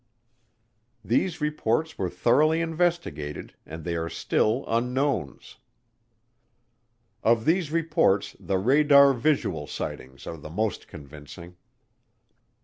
These reports were thoroughly investigated and they are still unknowns. Of these reports, the radar visual sightings are the most convincing.